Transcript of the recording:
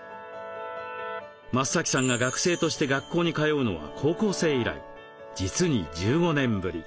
増さんが学生として学校に通うのは高校生以来実に１５年ぶり。